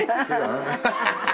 ハハハッ。